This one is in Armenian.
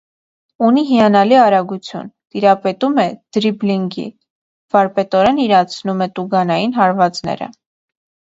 Ունի հիանալի արագություն, տիրապետում է դրիբլինգի, վարպետորեն իրացնում է տուգանային հարվածները։